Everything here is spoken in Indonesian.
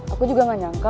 aku juga gak nyangka